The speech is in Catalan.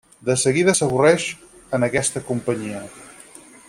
De seguida s'avorreix en aquesta companyia.